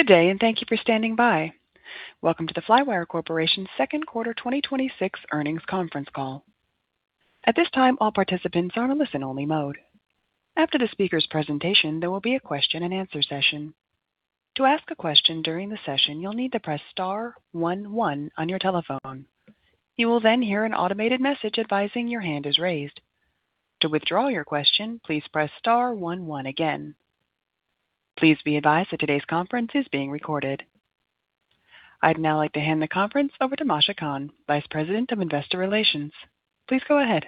Good day. Thank you for standing by. Welcome to the Flywire Corporation's second quarter 2026 earnings conference call. At this time, all participants are in listen-only mode. After the speaker's presentation, there will be a question and answer session. To ask a question during the session, you will need to press star one one on your telephone. You will then hear an automated message advising your hand is raised. To withdraw your question, please press star one one again. Please be advised that today's conference is being recorded. I would now like to hand the conference over to Masha Kahn, Vice President of Investor Relations. Please go ahead.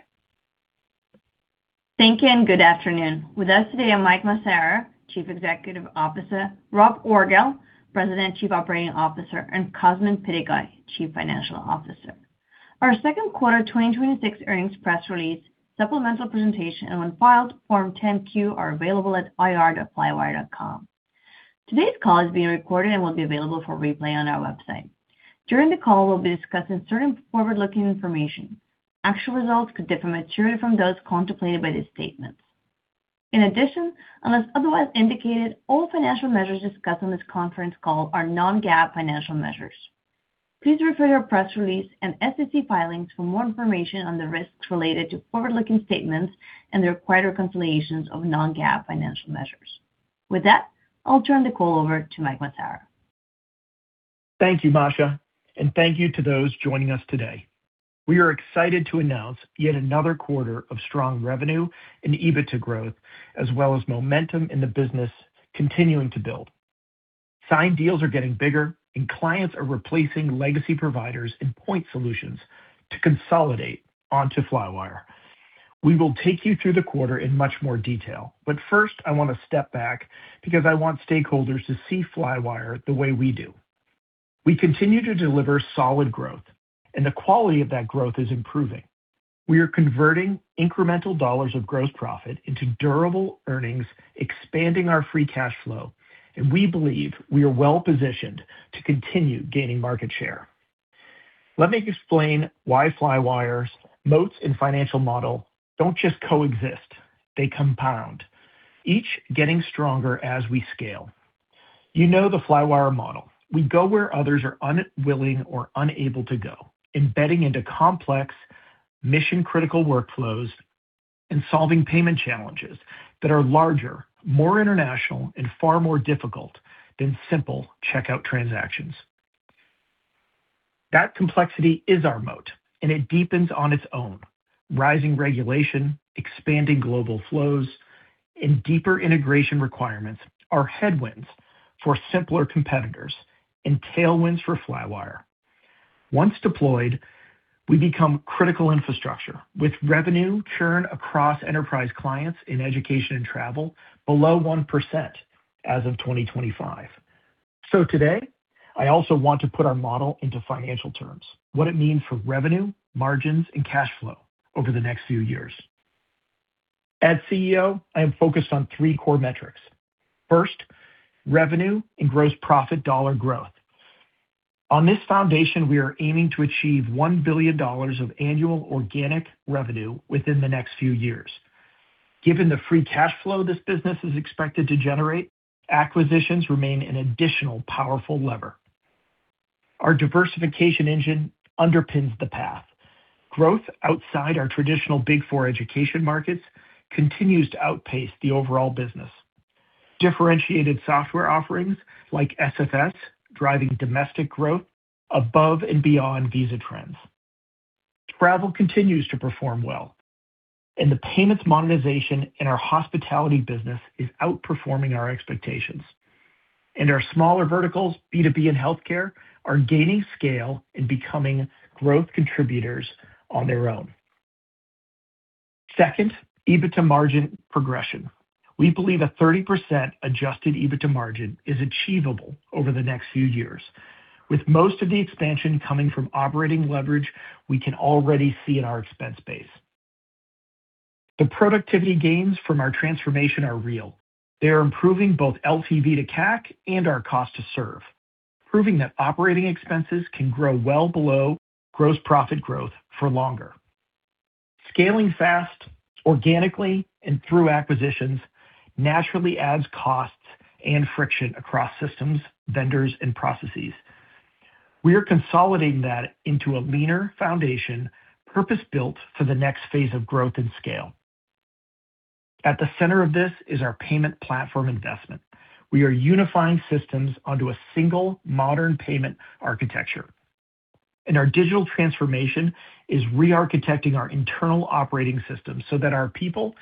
Thank you. Good afternoon. With us today are Mike Massaro, Chief Executive Officer, Rob Orgel, President, Chief Operating Officer, and Cosmin Pitigoi, Chief Financial Officer. Our second quarter 2026 earnings press release, supplemental presentation, and when filed, Form 10-Q are available at ir.flywire.com. Today's call is being recorded and will be available for replay on our website. During the call, we will be discussing certain forward-looking information. Actual results could differ materially from those contemplated by these statements. In addition, unless otherwise indicated, all financial measures discussed on this conference call are non-GAAP financial measures. Please refer to our press release and SEC filings for more information on the risks related to forward-looking statements and the required reconciliations of non-GAAP financial measures. With that, I will turn the call over to Mike Massaro. Thank you, Masha. Thank you to those joining us today. We are excited to announce yet another quarter of strong revenue and EBITDA growth, as well as momentum in the business continuing to build. Signed deals are getting bigger, and clients are replacing legacy providers and point solutions to consolidate onto Flywire. We will take you through the quarter in much more detail. First, I want to step back because I want stakeholders to see Flywire the way we do. We continue to deliver solid growth, and the quality of that growth is improving. We are converting incremental dollars of gross profit into durable earnings, expanding our free cash flow, and we believe we are well-positioned to continue gaining market share. Let me explain why Flywire's moats and financial model do not just coexist, they compound, each getting stronger as we scale. You know the Flywire model. We go where others are unwilling or unable to go, embedding into complex mission-critical workflows and solving payment challenges that are larger, more international, and far more difficult than simple checkout transactions. That complexity is our moat. It deepens on its own. Rising regulation, expanding global flows, and deeper integration requirements are headwinds for simpler competitors and tailwinds for Flywire. Once deployed, we become critical infrastructure with revenue churn across enterprise clients in education and travel below 1% as of 2025. Today, I also want to put our model into financial terms, what it means for revenue, margins, and cash flow over the next few years. As CEO, I am focused on three core metrics. First, revenue and gross profit dollar growth. On this foundation, we are aiming to achieve $1 billion of annual organic revenue within the next few years. Given the free cash flow this business is expected to generate, acquisitions remain an additional powerful lever. Our diversification engine underpins the path. Growth outside our traditional big four education markets continues to outpace the overall business. Differentiated software offerings like SFS, driving domestic growth above and beyond Visa trends. Travel continues to perform well, and the payments monetization in our hospitality business is outperforming our expectations. Our smaller verticals, B2B and healthcare, are gaining scale and becoming growth contributors on their own. Second, EBITDA margin progression. We believe a 30% adjusted EBITDA margin is achievable over the next few years. With most of the expansion coming from operating leverage, we can already see in our expense base. The productivity gains from our transformation are real. They are improving both LTV to CAC and our cost to serve, proving that operating expenses can grow well below gross profit growth for longer. Scaling fast, organically, and through acquisitions naturally adds costs and friction across systems, vendors, and processes. We are consolidating that into a leaner foundation, purpose-built for the next phase of growth and scale. At the center of this is our payment platform investment. We are unifying systems onto a single modern payment architecture, and our digital transformation is re-architecting our internal operating system so that our people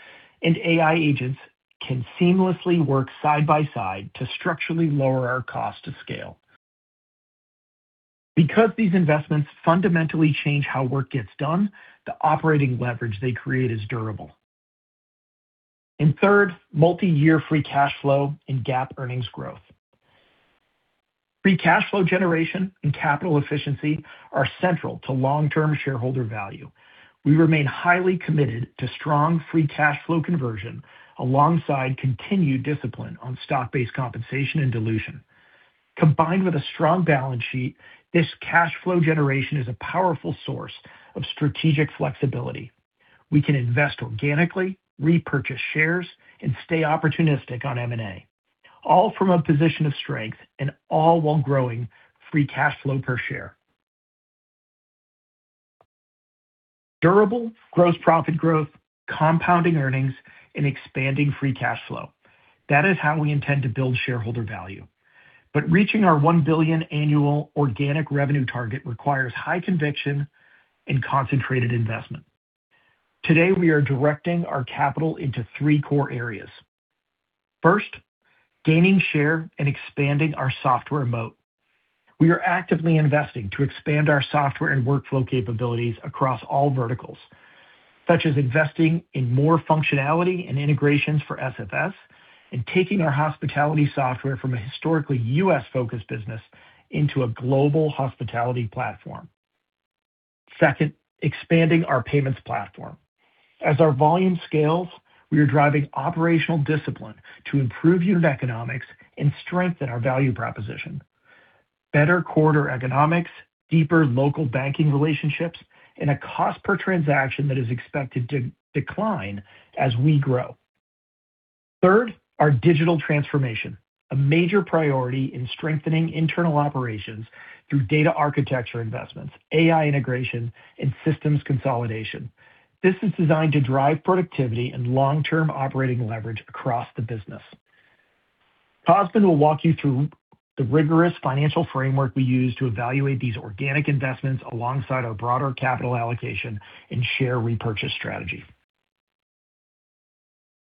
and AI agents can seamlessly work side by side to structurally lower our cost to scale. Because these investments fundamentally change how work gets done, the operating leverage they create is durable. Third, multi-year free cash flow and GAAP earnings growth. Free cash flow generation and capital efficiency are central to long-term shareholder value. We remain highly committed to strong free cash flow conversion alongside continued discipline on stock-based compensation and dilution. Combined with a strong balance sheet, this cash flow generation is a powerful source of strategic flexibility. We can invest organically, repurchase shares, and stay opportunistic on M&A, all from a position of strength and all while growing free cash flow per share. Durable gross profit growth, compounding earnings, and expanding free cash flow. That is how we intend to build shareholder value. Reaching our $1 billion annual organic revenue target requires high conviction and concentrated investment. Today, we are directing our capital into three core areas. First, gaining share and expanding our software moat. We are actively investing to expand our software and workflow capabilities across all verticals, such as investing in more functionality and integrations for SFS, and taking our hospitality software from a historically U.S.-focused business into a global hospitality platform. Second, expanding our payments platform. As our volume scales, we are driving operational discipline to improve unit economics and strengthen our value proposition. Better quarter economics, deeper local banking relationships, and a cost per transaction that is expected to decline as we grow. Third, our digital transformation, a major priority in strengthening internal operations through data architecture investments, AI integration, and systems consolidation. This is designed to drive productivity and long-term operating leverage across the business. Cosmin will walk you through the rigorous financial framework we use to evaluate these organic investments alongside our broader capital allocation and share repurchase strategy.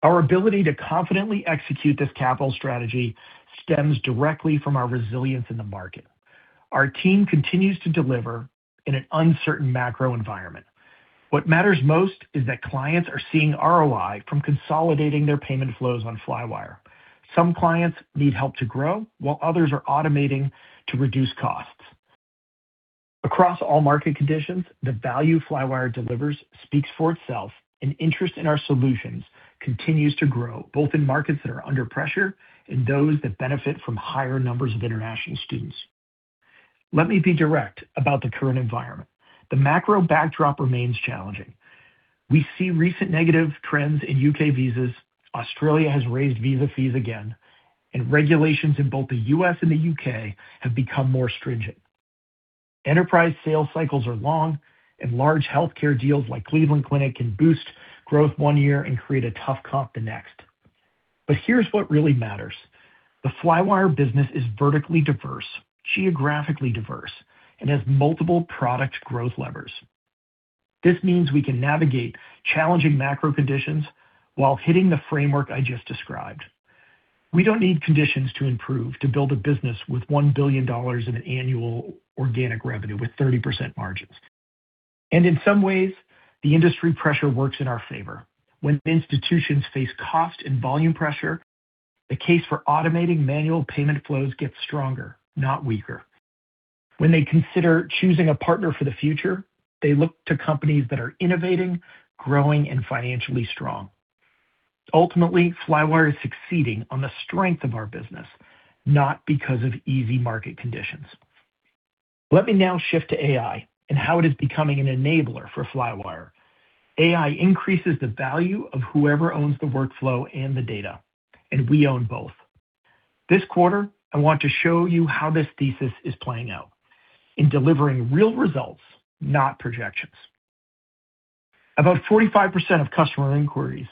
Our ability to confidently execute this capital strategy stems directly from our resilience in the market. Our team continues to deliver in an uncertain macro environment. What matters most is that clients are seeing ROI from consolidating their payment flows on Flywire. Some clients need help to grow, while others are automating to reduce costs. Across all market conditions, the value Flywire delivers speaks for itself, and interest in our solutions continues to grow, both in markets that are under pressure and those that benefit from higher numbers of international students. Let me be direct about the current environment. The macro backdrop remains challenging. We see recent negative trends in U.K. visas, Australia has raised visa fees again, and regulations in both the U.S. and the U.K. have become more stringent. Enterprise sales cycles are long, large healthcare deals like Cleveland Clinic can boost growth one year and create a tough comp the next. Here's what really matters. The Flywire business is vertically diverse, geographically diverse, and has multiple product growth levers. This means we can navigate challenging macro conditions while hitting the framework I just described. We don't need conditions to improve to build a business with $1 billion in annual organic revenue with 30% margins. In some ways, the industry pressure works in our favor. When institutions face cost and volume pressure, the case for automating manual payment flows gets stronger, not weaker. When they consider choosing a partner for the future, they look to companies that are innovating, growing, and financially strong. Ultimately, Flywire is succeeding on the strength of our business, not because of easy market conditions. Let me now shift to AI and how it is becoming an enabler for Flywire. AI increases the value of whoever owns the workflow and the data, and we own both. This quarter, I want to show you how this thesis is playing out in delivering real results, not projections. About 45% of customer inquiries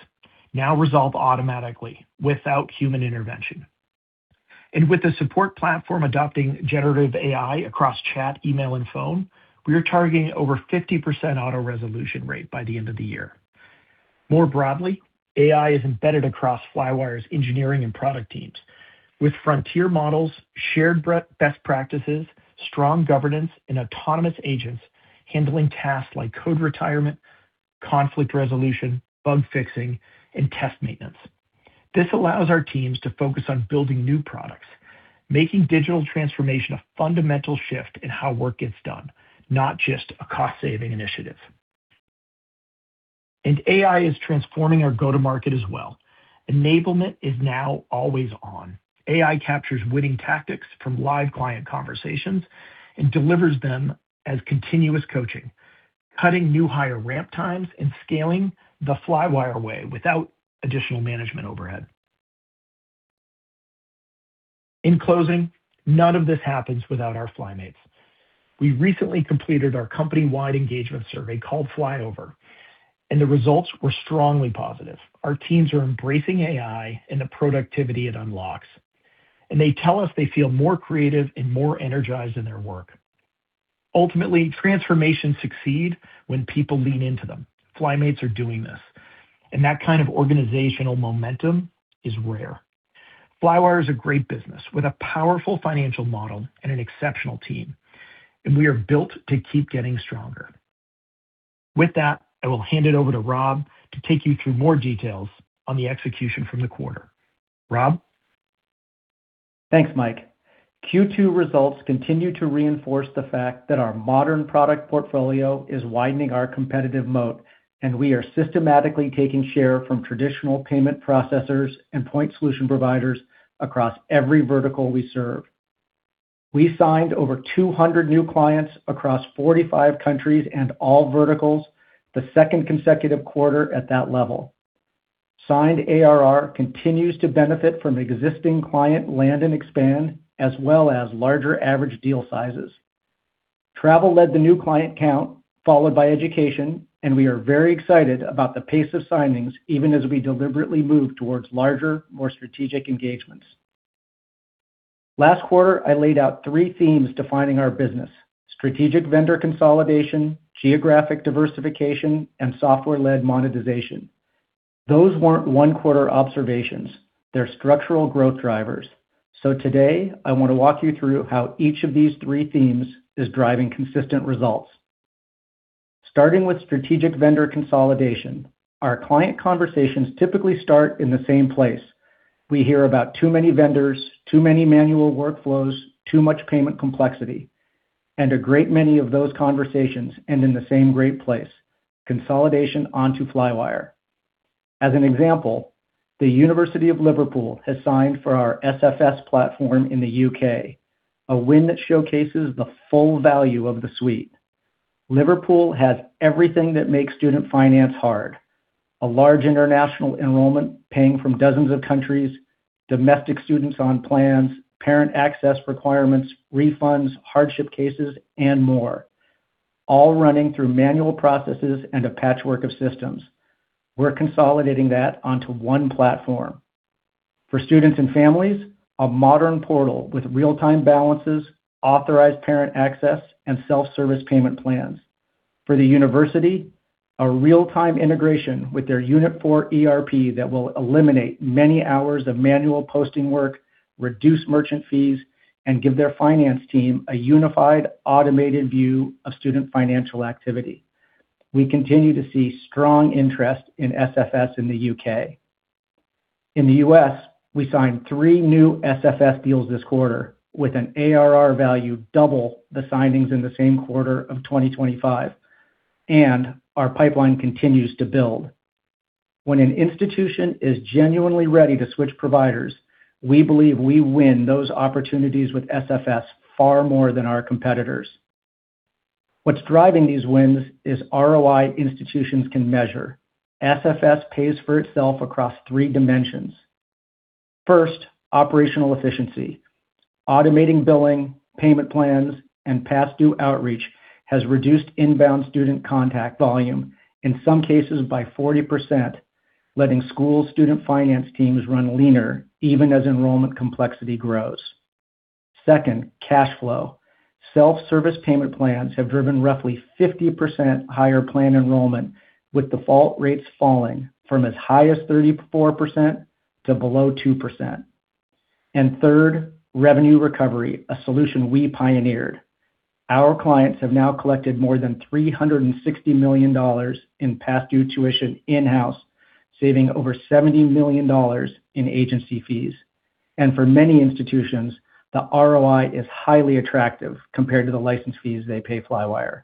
now resolve automatically without human intervention. With the support platform adopting generative AI across chat, email, and phone, we are targeting over 50% auto resolution rate by the end of the year. More broadly, AI is embedded across Flywire's engineering and product teams with frontier models, shared best practices, strong governance, and autonomous agents handling tasks like code retirement, conflict resolution, bug fixing, and test maintenance. This allows our teams to focus on building new products, making digital transformation a fundamental shift in how work gets done, not just a cost-saving initiative. AI is transforming our go-to-market as well. Enablement is now always on. AI captures winning tactics from live client conversations and delivers them as continuous coaching, cutting new hire ramp times and scaling the Flywire way without additional management overhead. In closing, none of this happens without our Flymates. We recently completed our company-wide engagement survey called Flyover, the results were strongly positive. Our teams are embracing AI and the productivity it unlocks, they tell us they feel more creative and more energized in their work. Ultimately, transformations succeed when people lean into them. Flymates are doing this, that kind of organizational momentum is rare. Flywire is a great business with a powerful financial model and an exceptional team, we are built to keep getting stronger. With that, I will hand it over to Rob to take you through more details on the execution from the quarter. Rob? Thanks, Mike. Q2 results continue to reinforce the fact that our modern product portfolio is widening our competitive moat, and we are systematically taking share from traditional payment processors and point solution providers across every vertical we serve. We signed over 200 new clients across 45 countries and all verticals, the second consecutive quarter at that level. Signed ARR continues to benefit from existing client land and expand, as well as larger average deal sizes. Travel led the new client count, followed by education, and we are very excited about the pace of signings, even as we deliberately move towards larger, more strategic engagements. Last quarter, I laid out three themes defining our business: strategic vendor consolidation, geographic diversification, and software-led monetization. Those weren't one-quarter observations. They're structural growth drivers. Today, I want to walk you through how each of these three themes is driving consistent results. Starting with strategic vendor consolidation, our client conversations typically start in the same place. We hear about too many vendors, too many manual workflows, too much payment complexity. A great many of those conversations end in the same great place, consolidation onto Flywire. As an example, the University of Liverpool has signed for our SFS platform in the U.K., a win that showcases the full value of the suite. Liverpool has everything that makes student finance hard: a large international enrollment paying from dozens of countries, domestic students on plans, parent access requirements, refunds, hardship cases, and more, all running through manual processes and a patchwork of systems. We're consolidating that onto one platform. For students and families, a modern portal with real-time balances, authorized parent access, and self-service payment plans. For the university, a real-time integration with their Unit4 ERP that will eliminate many hours of manual posting work, reduce merchant fees, and give their finance team a unified automated view of student financial activity. We continue to see strong interest in SFS in the U.K. In the U.S., we signed three new SFS deals this quarter, with an ARR value double the signings in the same quarter of 2025, and our pipeline continues to build. When an institution is genuinely ready to switch providers, we believe we win those opportunities with SFS far more than our competitors. What's driving these wins is ROI institutions can measure. SFS pays for itself across three dimensions. First, operational efficiency. Automating billing, payment plans, and past-due outreach has reduced inbound student contact volume, in some cases by 40%, letting school student finance teams run leaner even as enrollment complexity grows. Second, cash flow. Self-service payment plans have driven roughly 50% higher plan enrollment, with default rates falling from as high as 34% to below 2%. Third, revenue recovery, a solution we pioneered. Our clients have now collected more than $360 million in past-due tuition in-house, saving over $70 million in agency fees. For many institutions, the ROI is highly attractive compared to the license fees they pay Flywire.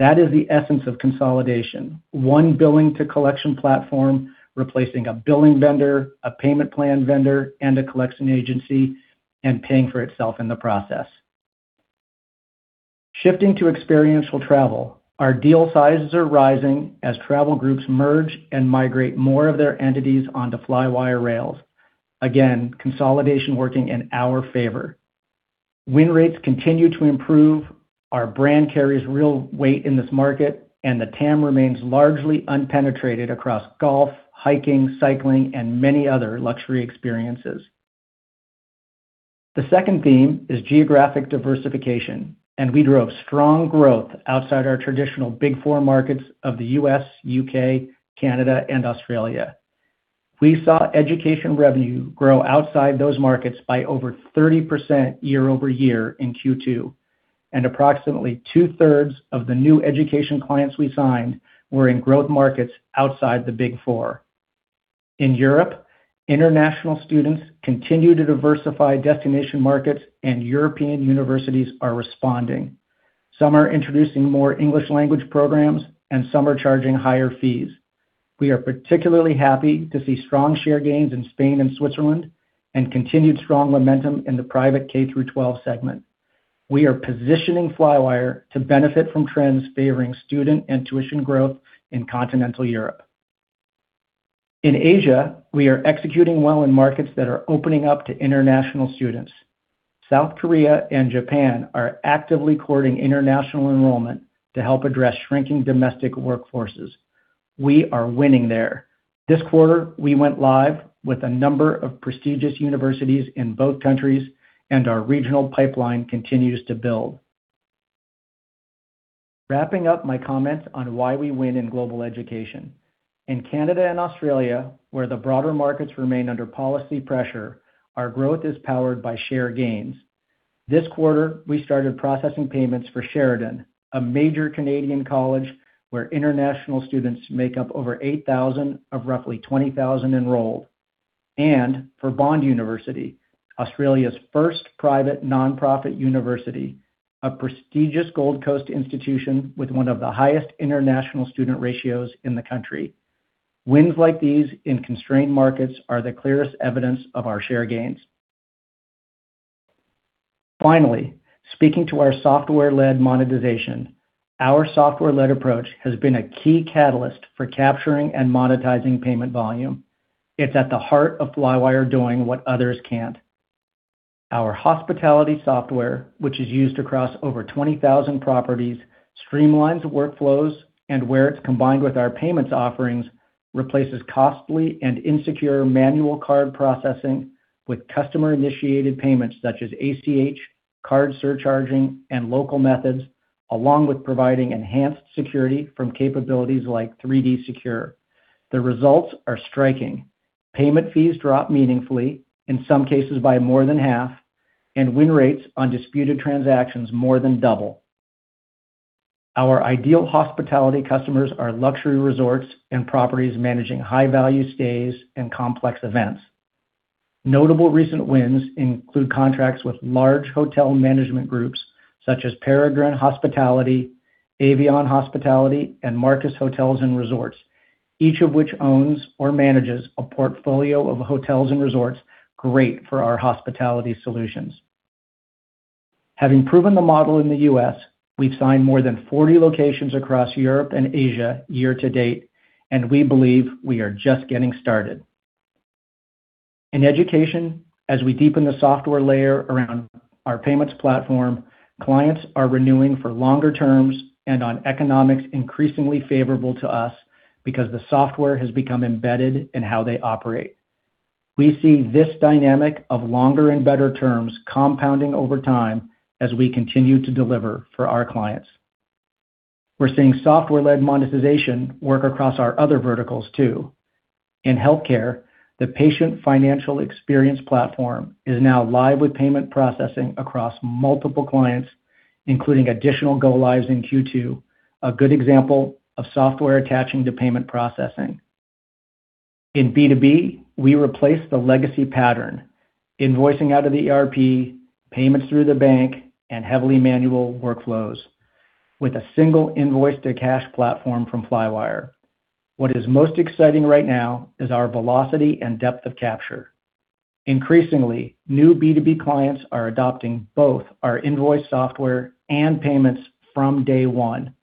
That is the essence of consolidation. One billing to collection platform replacing a billing vendor, a payment plan vendor, and a collection agency, and paying for itself in the process. Shifting to experiential travel, our deal sizes are rising as travel groups merge and migrate more of their entities onto Flywire rails. Again, consolidation working in our favor. Win rates continue to improve, our brand carries real weight in this market, and the TAM remains largely unpenetrated across golf, hiking, cycling, and many other luxury experiences. The second theme is geographic diversification, we drove strong growth outside our traditional big four markets of the U.S., U.K., Canada, and Australia. We saw education revenue grow outside those markets by over 30% year-over-year in Q2. Approximately two-thirds of the new education clients we signed were in growth markets outside the big four. In Europe, international students continue to diversify destination markets, and European universities are responding. Some are introducing more English language programs, and some are charging higher fees. We are particularly happy to see strong share gains in Spain and Switzerland and continued strong momentum in the private K through 12 segment. We are positioning Flywire to benefit from trends favoring student and tuition growth in continental Europe. In Asia, we are executing well in markets that are opening up to international students. South Korea and Japan are actively courting international enrollment to help address shrinking domestic workforces. We are winning there. This quarter, we went live with a number of prestigious universities in both countries, and our regional pipeline continues to build. Wrapping up my comments on why we win in global education. In Canada and Australia, where the broader markets remain under policy pressure, our growth is powered by share gains. This quarter, we started processing payments for Sheridan, a major Canadian college where international students make up over 8,000 of roughly 20,000 enrolled. For Bond University, Australia's first private nonprofit university, a prestigious Gold Coast institution with one of the highest international student ratios in the country. Wins like these in constrained markets are the clearest evidence of our share gains. Finally, speaking to our software-led monetization, our software-led approach has been a key catalyst for capturing and monetizing payment volume. It's at the heart of Flywire doing what others can't. Our hospitality software, which is used across over 20,000 properties, streamlines workflows, and where it's combined with our payments offerings, replaces costly and insecure manual card processing with customer-initiated payments such as ACH, card surcharging, and local methods, along with providing enhanced security from capabilities like 3D Secure. The results are striking. Payment fees drop meaningfully, in some cases by more than half, and win rates on disputed transactions more than double. Our ideal hospitality customers are luxury resorts and properties managing high-value stays and complex events. Notable recent wins include contracts with large hotel management groups such as Peregrine Hospitality, Avion Hospitality, and Marcus Hotels & Resorts, each of which owns or manages a portfolio of hotels and resorts great for our hospitality solutions. Having proven the model in the U.S., we've signed more than 40 locations across Europe and Asia year to date, and we believe we are just getting started. In education, as we deepen the software layer around our payments platform, clients are renewing for longer terms and on economics increasingly favorable to us because the software has become embedded in how they operate. We see this dynamic of longer and better terms compounding over time as we continue to deliver for our clients. We're seeing software-led monetization work across our other verticals too. In healthcare, the patient financial experience platform is now live with payment processing across multiple clients, including additional go-lives in Q2, a good example of software attaching to payment processing. In B2B, we replaced the legacy pattern, invoicing out of the ERP, payments through the bank, and heavily manual workflows with a single invoice to cash platform from Flywire. What is most exciting right now is our velocity and depth of capture. Increasingly, new B2B clients are adopting both our invoice software and payments from day one.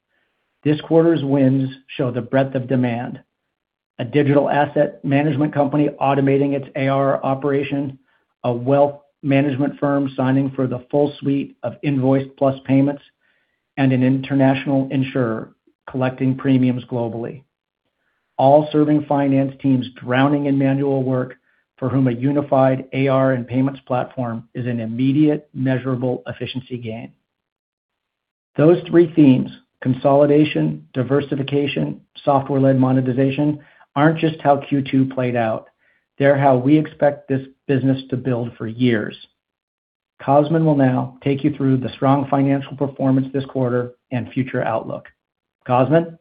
This quarter's wins show the breadth of demand. A digital asset management company automating its AR operation, a wealth management firm signing for the full suite of invoice plus payments, and an international insurer collecting premiums globally, all serving finance teams drowning in manual work for whom a unified AR and payments platform is an immediate measurable efficiency gain. Those three themes, consolidation, diversification, software-led monetization, aren't just how Q2 played out. They're how we expect this business to build for years. Cosmin will now take you through the strong financial performance this quarter and future outlook. Cosmin?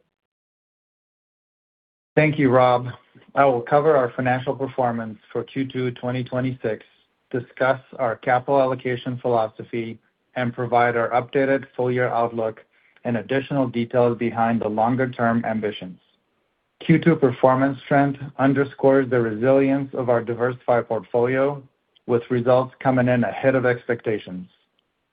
Thank you, Rob. I will cover our financial performance for Q2 2026, discuss our capital allocation philosophy, and provide our updated full-year outlook and additional details behind the longer-term ambitions. Q2 performance trend underscores the resilience of our diversified portfolio, with results coming in ahead of expectations.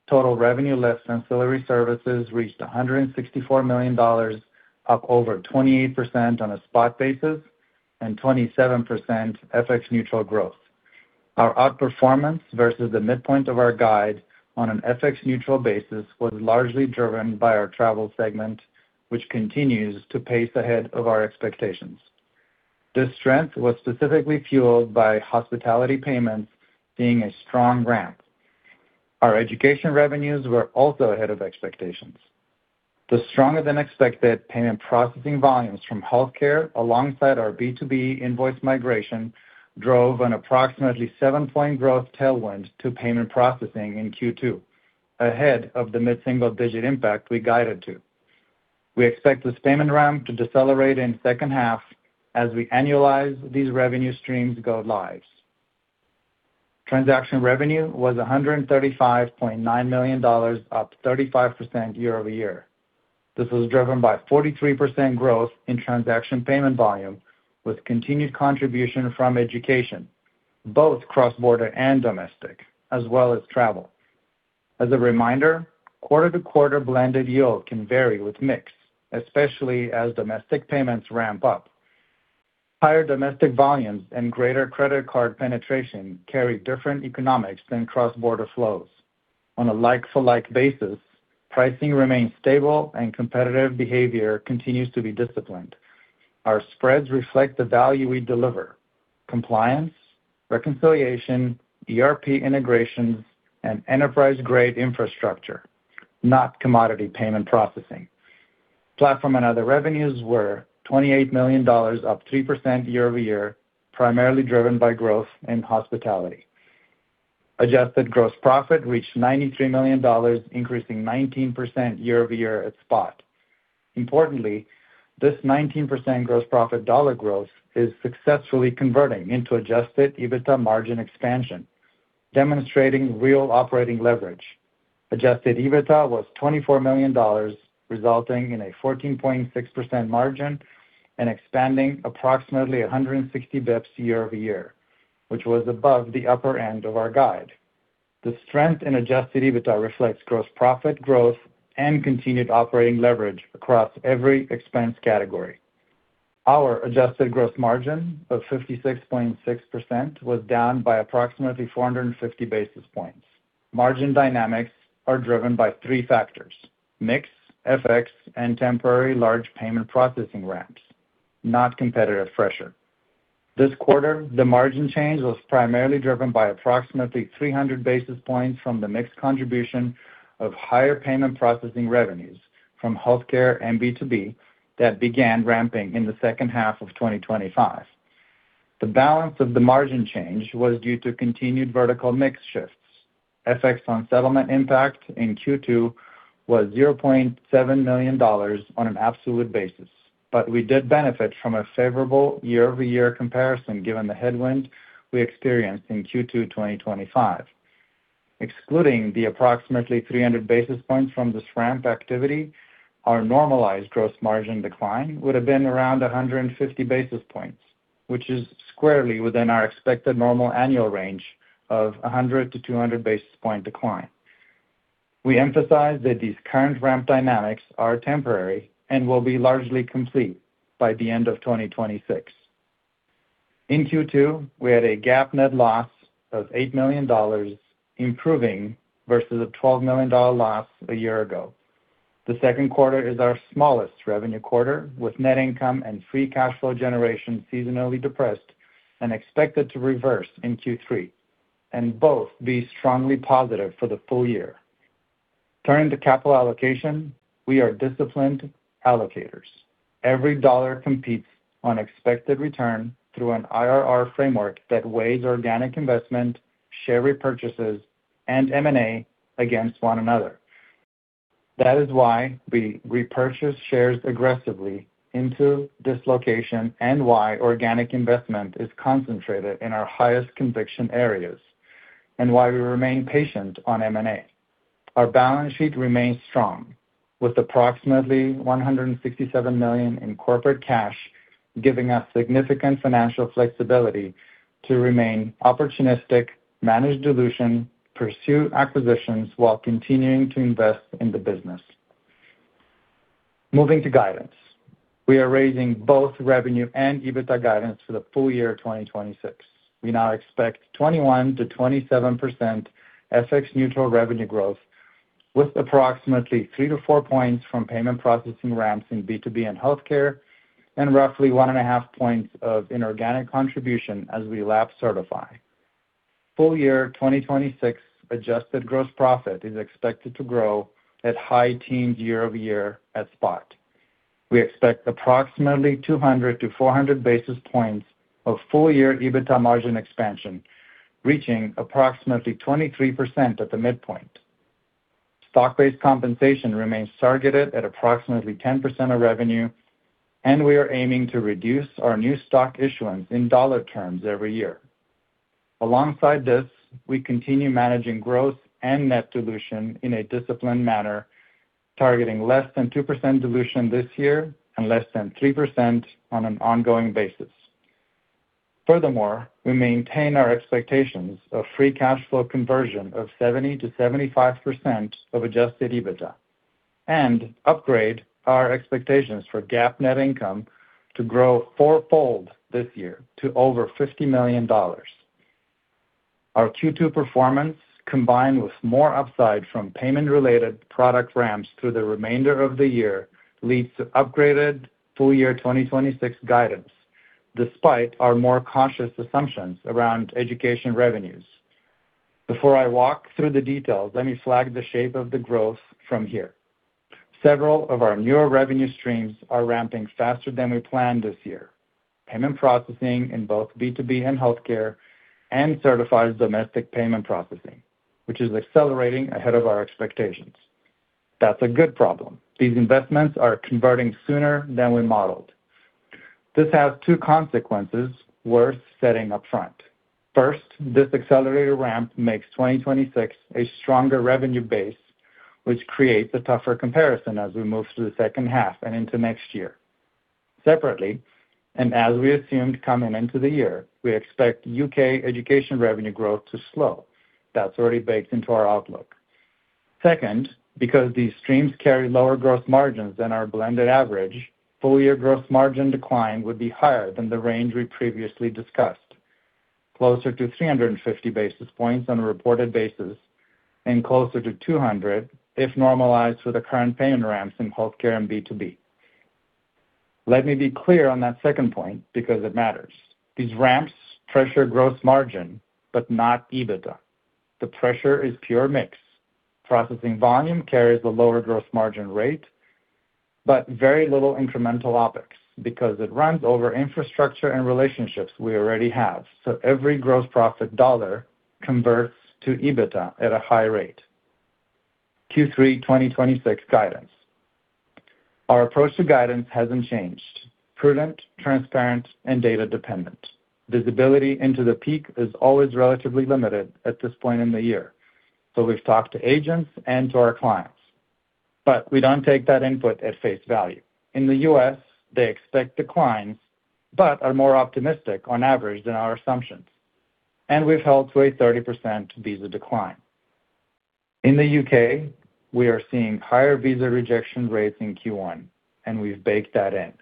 Total revenue less ancillary services reached $164 million, up over 28% on a spot basis and 27% FX neutral growth. Our outperformance versus the midpoint of our guide on an FX neutral basis was largely driven by our travel segment, which continues to pace ahead of our expectations. This strength was specifically fueled by hospitality payments seeing a strong ramp. Our education revenues were also ahead of expectations. The stronger-than-expected payment processing volumes from healthcare alongside our B2B invoice migration drove an approximately seven-point growth tailwind to payment processing in Q2, ahead of the mid-single-digit impact we guided to. We expect this payment ramp to decelerate in second half as we annualize these revenue streams go lives. Transaction revenue was $135.9 million, up 35% year-over-year. This was driven by 43% growth in transaction payment volume, with continued contribution from education, both cross-border and domestic, as well as travel. As a reminder, quarter-to-quarter blended yield can vary with mix, especially as domestic payments ramp up. Higher domestic volumes and greater credit card penetration carry different economics than cross-border flows. On a like-for-like basis, pricing remains stable and competitive behavior continues to be disciplined. Our spreads reflect the value we deliver, compliance, reconciliation, ERP integrations, and enterprise-grade infrastructure, not commodity payment processing. Platform and other revenues were $28 million, up 3% year-over-year, primarily driven by growth in hospitality. Adjusted gross profit reached $93 million, increasing 19% year-over-year at spot. Importantly, this 19% gross profit dollar growth is successfully converting into adjusted EBITDA margin expansion, demonstrating real operating leverage. Adjusted EBITDA was $24 million, resulting in a 14.6% margin and expanding approximately 160 basis points year-over-year, which was above the upper end of our guide. The strength in adjusted EBITDA reflects gross profit growth and continued operating leverage across every expense category. Our adjusted gross margin of 56.6% was down by approximately 450 basis points. Margin dynamics are driven by three factors: mix, FX, and temporary large payment processing ramps, not competitive pressure. This quarter, the margin change was primarily driven by approximately 300 basis points from the mix contribution of higher payment processing revenues from healthcare and B2B that began ramping in the second half of 2025. The balance of the margin change was due to continued vertical mix shifts. FX on settlement impact in Q2 was $0.7 million on an absolute basis. We did benefit from a favorable year-over-year comparison, given the headwind we experienced in Q2 2025. Excluding the approximately 300 basis points from this ramp activity, our normalized gross margin decline would have been around 150 basis points, which is squarely within our expected normal annual range of 100 to 200 basis point decline. We emphasize that these current ramp dynamics are temporary and will be largely complete by the end of 2026. In Q2, we had a GAAP net loss of $8 million, improving versus a $12 million loss a year ago. The second quarter is our smallest revenue quarter, with net income and free cash flow generation seasonally depressed and expected to reverse in Q3, and both be strongly positive for the full year. Turning to capital allocation, we are disciplined allocators. Every dollar competes on expected return through an IRR framework that weighs organic investment, share repurchases, and M&A against one another. That is why we repurchase shares aggressively into this dislocation and why organic investment is concentrated in our highest conviction areas, and why we remain patient on M&A. Our balance sheet remains strong, with approximately $167 million in corporate cash, giving us significant financial flexibility to remain opportunistic, manage dilution, pursue acquisitions while continuing to invest in the business. Moving to guidance. We are raising both revenue and EBITDA guidance for the full year 2026. We now expect 21%-27% FX neutral revenue growth with approximately three to four points from payment processing ramps in B2B and healthcare, and roughly one and a half points of inorganic contribution as we lap Sertifi. Full year 2026 adjusted gross profit is expected to grow at high teens year-over-year at Spot. We expect approximately 200-400 basis points of full year EBITDA margin expansion, reaching approximately 23% at the midpoint. Stock-based compensation remains targeted at approximately 10% of revenue, we are aiming to reduce our new stock issuance in dollar terms every year. Alongside this, we continue managing growth and net dilution in a disciplined manner, targeting less than 2% dilution this year and less than 3% on an ongoing basis. Furthermore, we maintain our expectations of free cash flow conversion of 70%-75% of adjusted EBITDA, upgrade our expectations for GAAP net income to grow four-fold this year to over $50 million. Our Q2 performance, combined with more upside from payment-related product ramps through the remainder of the year, leads to upgraded full year 2026 guidance, despite our more cautious assumptions around education revenues. Before I walk through the details, let me flag the shape of the growth from here. Several of our newer revenue streams are ramping faster than we planned this year. Payment processing in both B2B and healthcare and Sertifi's domestic payment processing, which is accelerating ahead of our expectations. That's a good problem. These investments are converting sooner than we modeled. This has two consequences worth stating up front. First, this accelerated ramp makes 2026 a stronger revenue base, which creates a tougher comparison as we move to the second half and into next year. Separately, as we assumed coming into the year, we expect U.K. education revenue growth to slow. That's already baked into our outlook. Second, because these streams carry lower growth margins than our blended average, full year growth margin decline would be higher than the range we previously discussed, closer to 350 basis points on a reported basis and closer to 200 if normalized for the current payment ramps in healthcare and B2B. Let me be clear on that second point because it matters. These ramps pressure gross margin but not EBITDA. The pressure is pure mix. Processing volume carries the lower gross margin rate, but very little incremental OpEx because it runs over infrastructure and relationships we already have, so every gross profit dollar converts to EBITDA at a high rate. Q3 2026 guidance. Our approach to guidance hasn't changed. Prudent, transparent, and data-dependent. Visibility into the peak is always relatively limited at this point in the year. We've talked to agents and to our clients. We don't take that input at face value. In the U.S., they expect declines, but are more optimistic on average than our assumptions. We've held to a 30% visa decline. In the U.K., we are seeing higher visa rejection rates in Q1, we've baked that in.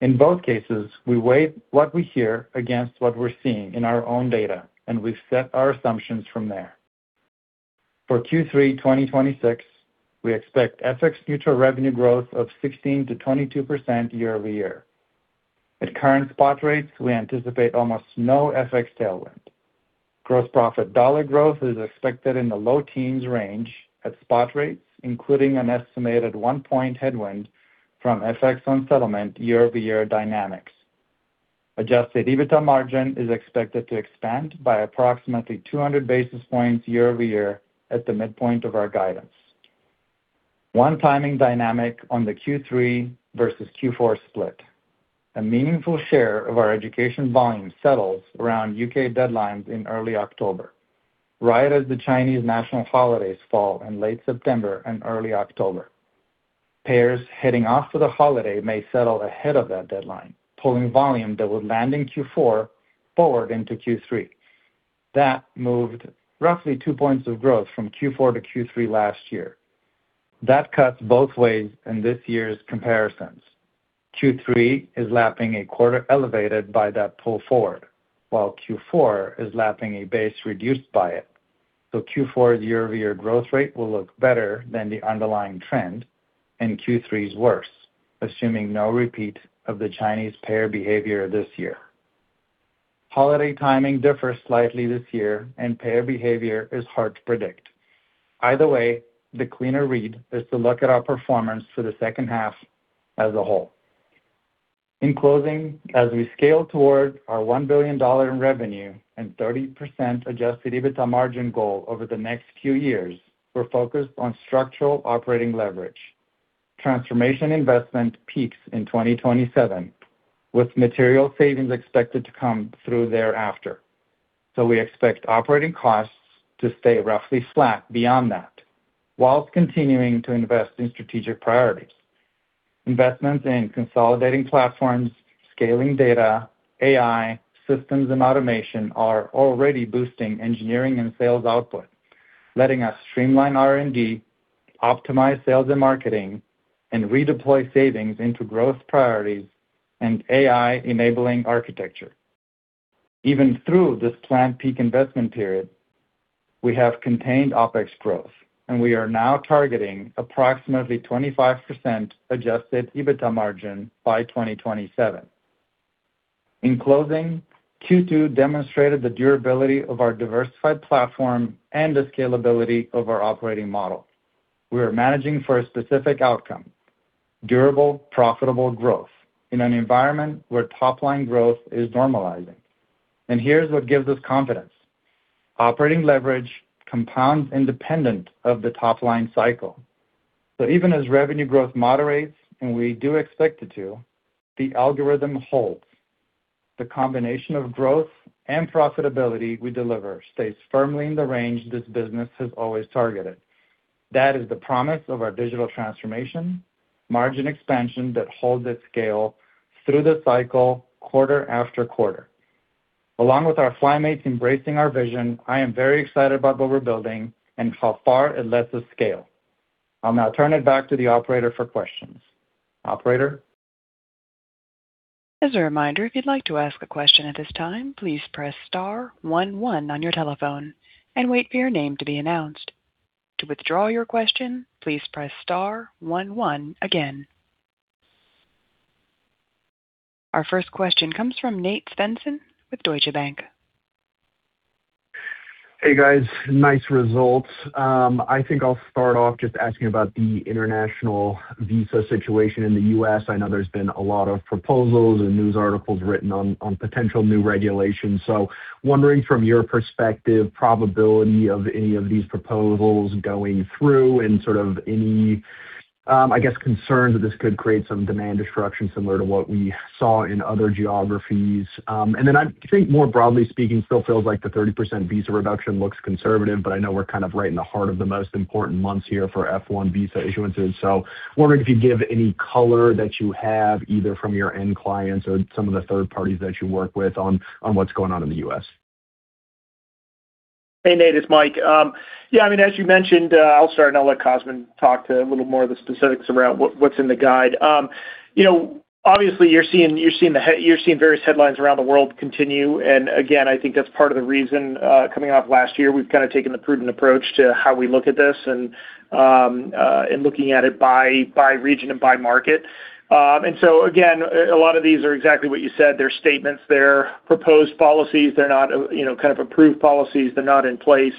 In both cases, we weigh what we hear against what we're seeing in our own data, we've set our assumptions from there. For Q3 2026, we expect FX neutral revenue growth of 16%-22% year-over-year. At current spot rates, we anticipate almost no FX tailwind. Gross profit dollar growth is expected in the low teens range at spot rates, including an estimated one point headwind from FX on settlement year-over-year dynamics. Adjusted EBITDA margin is expected to expand by approximately 200 basis points year-over-year at the midpoint of our guidance. One timing dynamic on the Q3 versus Q4 split. A meaningful share of our education volume settles around U.K. deadlines in early October, right as the Chinese national holidays fall in late September and early October. Pairs heading off for the holiday may settle ahead of that deadline, pulling volume that would land in Q4 forward into Q3. That moved roughly two points of growth from Q4 to Q3 last year. That cuts both ways in this year's comparisons. Q3 is lapping a quarter elevated by that pull forward, while Q4 is lapping a base reduced by it. Q4's year-over-year growth rate will look better than the underlying trend, and Q3 is worse, assuming no repeat of the Chinese payer behavior this year. Holiday timing differs slightly this year, and payer behavior is hard to predict. Either way, the cleaner read is to look at our performance for the second half as a whole. In closing, as we scale toward our $1 billion in revenue and 30% adjusted EBITDA margin goal over the next few years, we're focused on structural operating leverage. Transformation investment peaks in 2027, with material savings expected to come through thereafter. We expect operating costs to stay roughly flat beyond that while continuing to invest in strategic priorities. Investments in consolidating platforms, scaling data, AI, systems, and automation are already boosting engineering and sales output, letting us streamline R&D, optimize sales and marketing, and redeploy savings into growth priorities and AI-enabling architecture. Even through this planned peak investment period, we have contained OpEx growth, and we are now targeting approximately 25% adjusted EBITDA margin by 2027. In closing, Q2 demonstrated the durability of our diversified platform and the scalability of our operating model. We are managing for a specific outcome, durable, profitable growth, in an environment where top-line growth is normalizing. Here's what gives us confidence. Operating leverage compounds independent of the top-line cycle. Even as revenue growth moderates, and we do expect it to, the algorithm holds. The combination of growth and profitability we deliver stays firmly in the range this business has always targeted. That is the promise of our digital transformation, margin expansion that holds its scale through the cycle quarter after quarter. Along with our FlyMates embracing our vision, I am very excited about what we're building and how far it lets us scale. I'll now turn it back to the operator for questions. Operator? As a reminder, if you'd like to ask a question at this time, please press star one one on your telephone and wait for your name to be announced. To withdraw your question, please press star one one again. Our first question comes from Nate Svensson with Deutsche Bank. Hey, guys. Nice results. I think I'll start off just asking about the international visa situation in the U.S. I know there's been a lot of proposals and news articles written on potential new regulations. Wondering from your perspective, probability of any of these proposals going through and sort of any, I guess, concerns that this could create some demand destruction similar to what we saw in other geographies. I think more broadly speaking, still feels like the 30% visa reduction looks conservative, but I know we're kind of right in the heart of the most important months here for F1 visa issuances. Wondering if you'd give any color that you have, either from your end clients or some of the third parties that you work with on what's going on in the U.S. Hey, Nate, it's Mike. I mean, as you mentioned, I'll start and I'll let Cosmin talk to a little more of the specifics around what's in the guide. Obviously, you're seeing various headlines around the world continue, and again, I think that's part of the reason, coming off last year, we've kind of taken the prudent approach to how we look at this and looking at it by region and by market. Again, a lot of these are exactly what you said. They're statements, they're proposed policies. They're not kind of approved policies. They're not in place.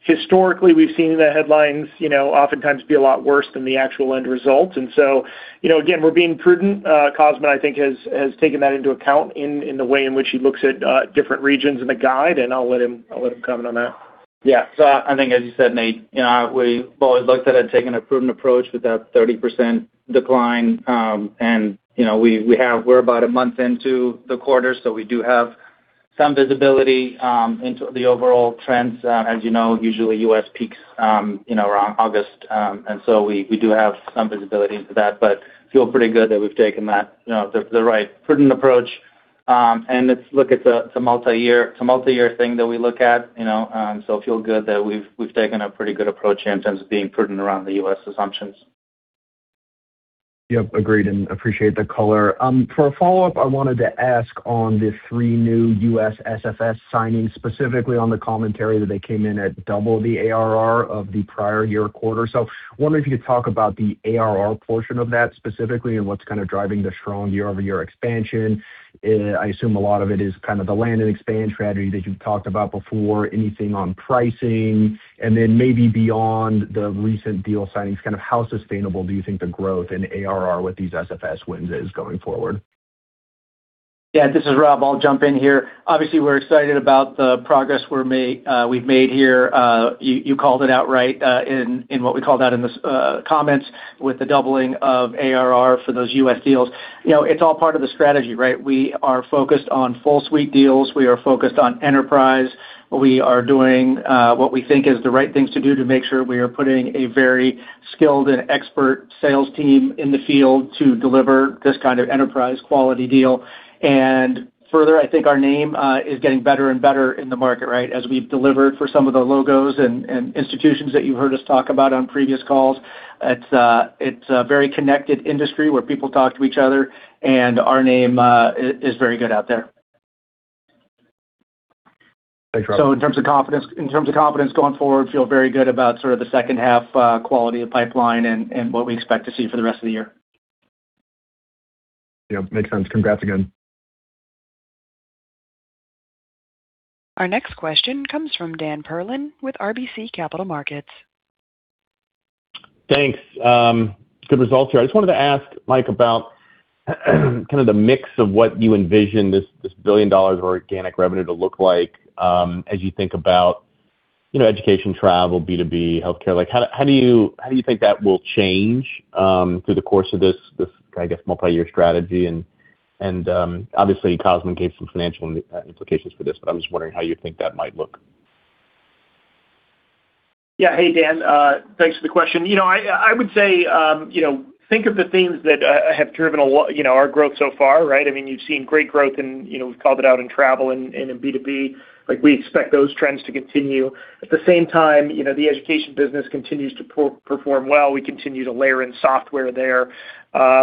Historically, we've seen the headlines oftentimes be a lot worse than the actual end result. Again, we're being prudent. Cosmin, I think, has taken that into account in the way in which he looks at different regions in the guide, and I'll let him comment on that. I think as you said, Nate, we've always looked at it taking a prudent approach with that 30% decline. We're about a month into the quarter, so we do have some visibility into the overall trends. As you know, usually U.S. peaks around August. We do have some visibility into that, but feel pretty good that we've taken the right prudent approach. It's a multi-year thing that we look at. Feel good that we've taken a pretty good approach here in terms of being prudent around the U.S. assumptions. Agreed and appreciate the color. For a follow-up, I wanted to ask on the three new U.S. SFS signings, specifically on the commentary that they came in at double the ARR of the prior year quarter. I wonder if you could talk about the ARR portion of that specifically and what's kind of driving the strong year-over-year expansion. I assume a lot of it is kind of the land and expand strategy that you've talked about before, anything on pricing, maybe beyond the recent deal signings, kind of how sustainable do you think the growth in ARR with these SFS wins is going forward? This is Rob. I'll jump in here. Obviously, we're excited about the progress we've made here. You called it out right, in what we called out in the comments with the doubling of ARR for those U.S. deals. It's all part of the strategy, right? We are focused on full suite deals. We are focused on enterprise. We are doing what we think is the right things to do to make sure we are putting a very skilled and expert sales team in the field to deliver this kind of enterprise quality deal. Further, I think our name is getting better and better in the market, right? As we've delivered for some of the logos and institutions that you've heard us talk about on previous calls. It's a very connected industry where people talk to each other, and our name is very good out there. Thanks, Rob. In terms of confidence going forward, feel very good about sort of the second half quality of pipeline and what we expect to see for the rest of the year. Yep, makes sense. Congrats again. Our next question comes from Dan Perlin with RBC Capital Markets. Thanks. Good results here. I just wanted to ask, Mike, about kind of the mix of what you envision this $1 billion of organic revenue to look like as you think about education, travel, B2B, healthcare. How do you think that will change through the course of this, I guess, multi-year strategy? Obviously, Cosmin gave some financial implications for this, but I'm just wondering how you think that might look. Yeah. Hey, Dan. Thanks for the question. I would say, think of the themes that have driven our growth so far, right? You've seen great growth, and we've called it out in travel and in B2B. We expect those trends to continue. At the same time, the education business continues to perform well. We continue to layer in software there. I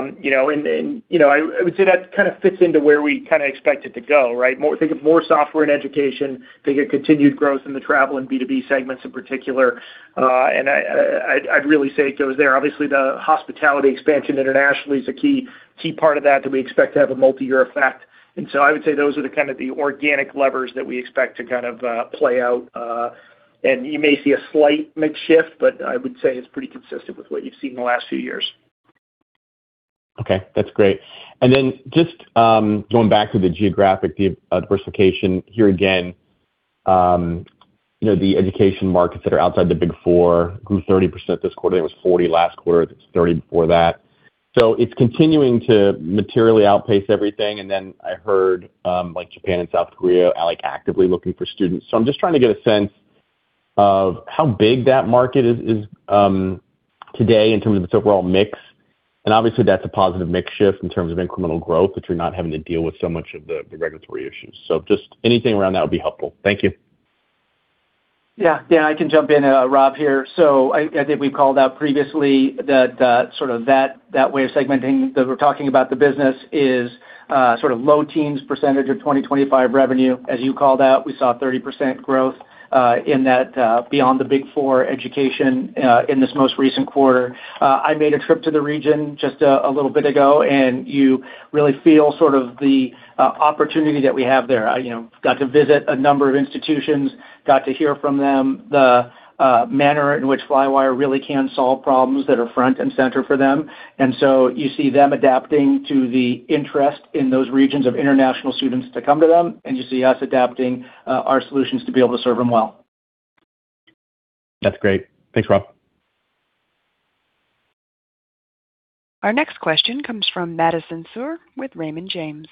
would say that kind of fits into where we kind of expect it to go, right? Think of more software in education, think of continued growth in the travel and B2B segments in particular. I'd really say it goes there. Obviously, the hospitality expansion internationally is a key part of that we expect to have a multi-year effect. I would say those are the kind of the organic levers that we expect to kind of play out. You may see a slight mix shift, but I would say it's pretty consistent with what you've seen in the last few years. That's great. Just going back to the geographic diversification here again. The education markets that are outside the big four grew 30% this quarter. It was 40% last quarter. It was 30% before that. It's continuing to materially outpace everything. I heard Japan and South Korea are actively looking for students. I'm just trying to get a sense of how big that market is today in terms of its overall mix. Obviously, that's a positive mix shift in terms of incremental growth, which you're not having to deal with so much of the regulatory issues. Just anything around that would be helpful. Thank you. Yeah. Dan, I can jump in. Rob here. I think we've called out previously that sort of that way of segmenting that we're talking about the business is sort of low teens percentage of 2025 revenue. As you called out, we saw 30% growth in that beyond the big four education in this most recent quarter. I made a trip to the region just a little bit ago, and you really feel sort of the opportunity that we have there. Got to visit a number of institutions, got to hear from them the manner in which Flywire really can solve problems that are front and center for them. You see them adapting to the interest in those regions of international students to come to them, and you see us adapting our solutions to be able to serve them well. That's great. Thanks, Rob. Our next question comes from Madison Suhr with Raymond James.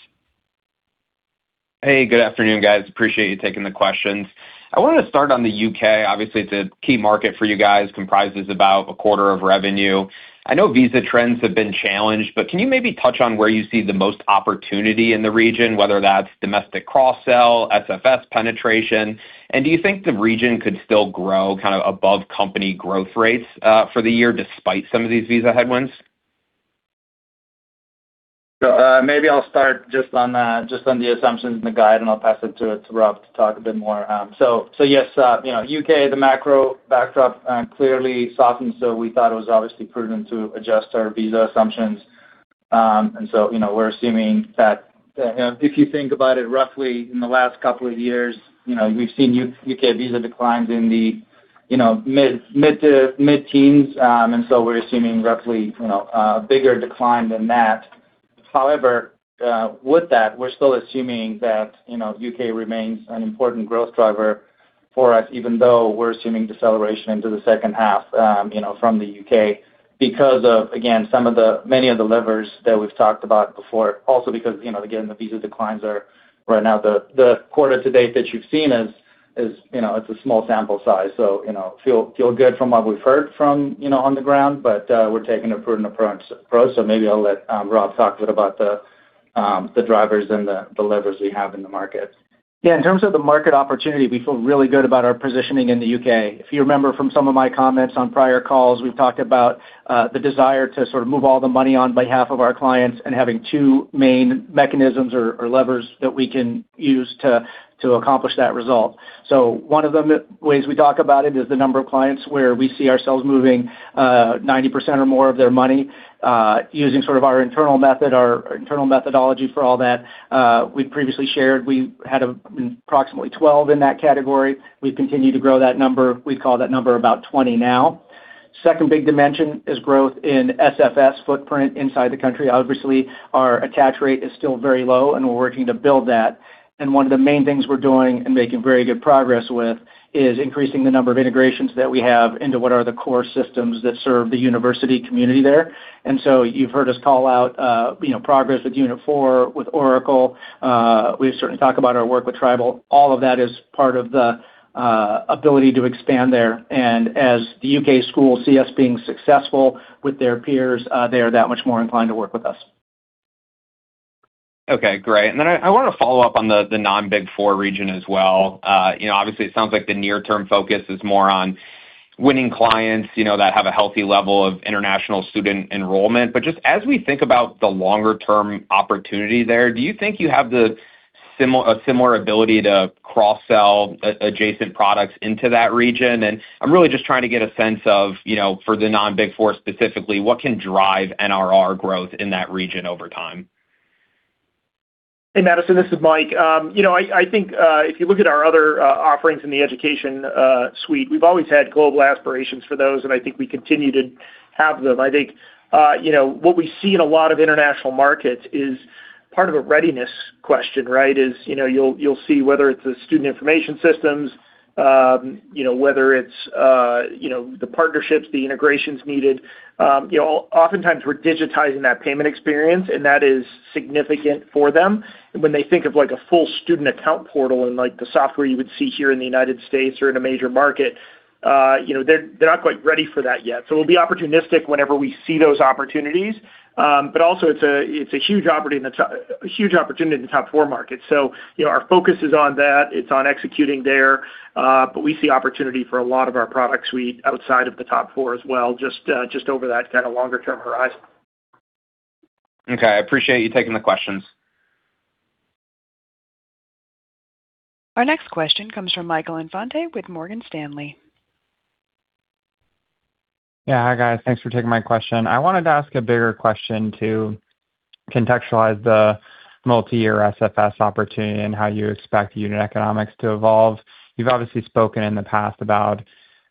Hey, good afternoon, guys. Appreciate you taking the questions. I wanted to start on the U.K. Obviously, it's a key market for you guys, comprises about a quarter of revenue. I know visa trends have been challenged, can you maybe touch on where you see the most opportunity in the region, whether that's domestic cross-sell, SFS penetration? Do you think the region could still grow kind of above company growth rates for the year despite some of these visa headwinds? Maybe I'll start just on the assumptions and the guide, and I'll pass it to Rob to talk a bit more. Yes, U.K., the macro backdrop clearly softened, we thought it was obviously prudent to adjust our visa assumptions. We're assuming that if you think about it roughly in the last couple of years, we've seen U.K. visa declines in the mid-teens, and so we're assuming roughly a bigger decline than that. However, with that, we're still assuming that U.K. remains an important growth driver for us, even though we're assuming deceleration into the second half from the U.K. because of, again, many of the levers that we've talked about before. Also because, again, the visa declines are right now the quarter to date that you've seen, it's a small sample size. Feel good from what we've heard from on the ground. We're taking a prudent approach. Maybe I'll let Rob talk a bit about the drivers and the levers we have in the market. In terms of the market opportunity, we feel really good about our positioning in the U.K. If you remember from some of my comments on prior calls, we've talked about the desire to sort of move all the money on behalf of our clients and having two main mechanisms or levers that we can use to accomplish that result. One of the ways we talk about it is the number of clients where we see ourselves moving 90% or more of their money, using sort of our internal method, our internal methodology for all that. We previously shared we had approximately 12 in that category. We've continued to grow that number. We call that number about 20 now. Second big dimension is growth in SFS footprint inside the country. Obviously, our attach rate is still very low, and we're working to build that. One of the main things we're doing and making very good progress with is increasing the number of integrations that we have into what are the core systems that serve the university community there. You've heard us call out progress with Unit4, with Oracle. We certainly talk about our work with Tribal. All of that is part of the ability to expand there. As the U.K. schools see us being successful with their peers, they are that much more inclined to work with us. Okay, great. I want to follow up on the non-big four region as well. Obviously, it sounds like the near-term focus is more on winning clients that have a healthy level of international student enrollment. Just as we think about the longer-term opportunity there, do you think you have a similar ability to cross-sell adjacent products into that region? I'm really just trying to get a sense of, for the non-big four specifically, what can drive NRR growth in that region over time? Hey, Madison, this is Mike. I think, if you look at our other offerings in the education suite, we've always had global aspirations for those, and I think we continue to have them. I think, what we see in a lot of international markets is part of a readiness question, right? Is you'll see whether it's the student information systems, whether it's the partnerships, the integrations needed. Oftentimes, we're digitizing that payment experience, and that is significant for them when they think of a full student account portal and the software you would see here in the United States or in a major market. They're not quite ready for that yet. We'll be opportunistic whenever we see those opportunities. Also it's a huge opportunity in the top four markets. Our focus is on that. It's on executing there. We see opportunity for a lot of our product suite outside of the top four as well, just over that kind of longer term horizon. Okay. I appreciate you taking the questions. Our next question comes from Michael Infante with Morgan Stanley. Yeah. Hi, guys. Thanks for taking my question. I wanted to ask a bigger question to contextualize the multi-year SFS opportunity and how you expect unit economics to evolve. You've obviously spoken in the past about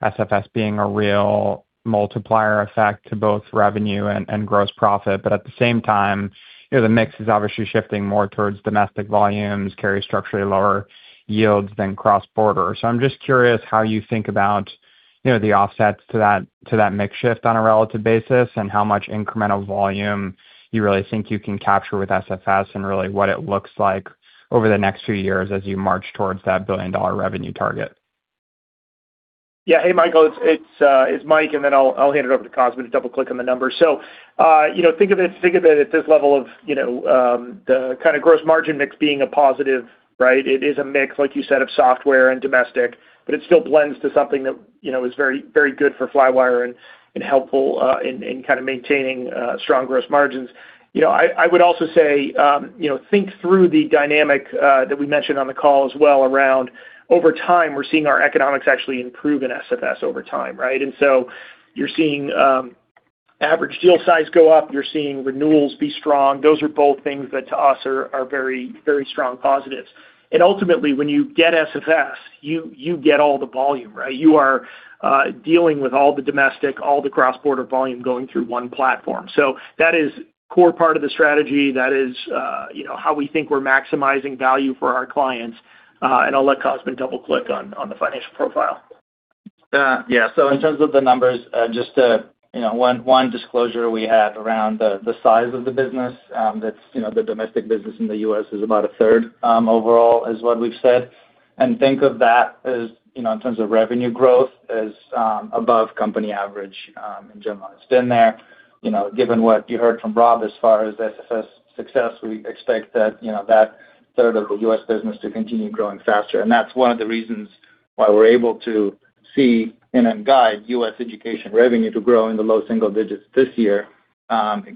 SFS being a real multiplier effect to both revenue and gross profit. At the same time, the mix is obviously shifting more towards domestic volumes, carry structurally lower yields than cross-border. I'm just curious how you think about the offsets to that mix shift on a relative basis, and how much incremental volume you really think you can capture with SFS, and really what it looks like over the next few years as you march towards that billion-dollar revenue target. Yeah. Hey, Michael, it's Mike, and then I'll hand it over to Cosmin to double-click on the numbers. Think of it at this level of the kind of gross margin mix being a positive, right? It is a mix, like you said, of software and domestic, but it still blends to something that is very good for Flywire and helpful in kind of maintaining strong gross margins. I would also say think through the dynamic that we mentioned on the call as well around over time, we're seeing our economics actually improve in SFS over time, right? You're seeing average deal size go up. You're seeing renewals be strong. Those are both things that to us are very strong positives. Ultimately, when you get SFS, you get all the volume, right? You are dealing with all the domestic, all the cross-border volume going through one platform. That is core part of the strategy. That is how we think we're maximizing value for our clients. I'll let Cosmin double-click on the financial profile. In terms of the numbers, just one disclosure we had around the size of the business, that the domestic business in the U.S. is about a third overall, is what we've said. Think of that in terms of revenue growth as above company average in general. It's been there. Given what you heard from Rob as far as SFS success, we expect that third of the U.S. business to continue growing faster. That's one of the reasons why we're able to see and then guide U.S. education revenue to grow in the low single digits this year,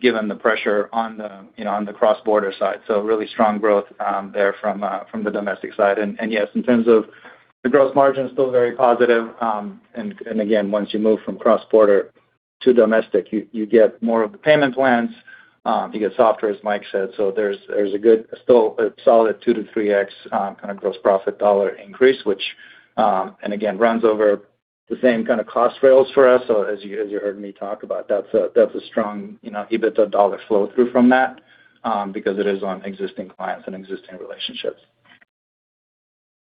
given the pressure on the cross-border side. Really strong growth there from the domestic side. Yes, in terms of the gross margin, still very positive. Again, once you move from cross-border to domestic, you get more of the payment plans. You get software, as Mike said. There's a good, still a solid 2x-3x kind of gross profit dollar increase, which runs over the same kind of cost rails for us. As you heard me talk about, that's a strong EBITDA dollar flow through from that because it is on existing clients and existing relationships.